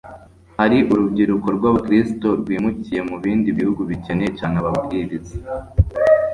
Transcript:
hari urubyiruko rw'abakristo rwimukiye mu bindi bihugu bikeneye cyane ababwiriza